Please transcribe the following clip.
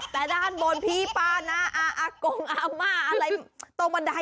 แต่ด้านบนพี่ป้านะอากงอาม่าอะไรตรงบันได